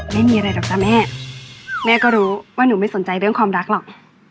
ไม่มีอะไรหรอกจ้ะแม่แม่ก็รู้ว่าหนูไม่สนใจเรื่องความรักหรอก